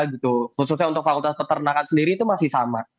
khususnya untuk fakultas peternakan sendiri itu masih sama